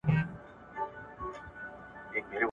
د کاغۍ کغا د هغې لپاره د یوې نا اشنا زېري په څېر وه.